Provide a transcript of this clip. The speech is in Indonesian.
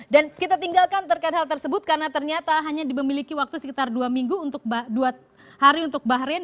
dan kita tinggalkan terkait hal tersebut karena ternyata hanya dimiliki waktu sekitar dua hari untuk bahas